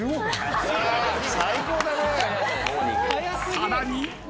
［さらに］